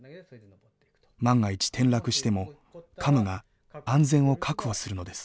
万が一転落してもカムが安全を確保するのです。